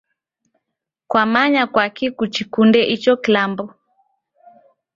Kwamanya kwaki kuchikunde icho kilambo?